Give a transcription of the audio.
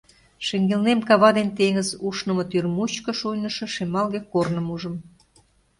Шеҥгелнем кава ден теҥыз ушнымо тӱр мучко шуйнышо шемалге корным ужым.